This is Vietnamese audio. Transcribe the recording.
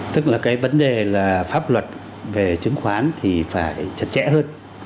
tức là cái vấn đề là pháp luật về chứng khoán thì phải chặt chẽ hơn